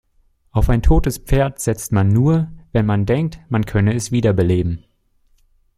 Auf ein totes Pferd setzt man nur, wenn man denkt, man könne es wiederbeleben.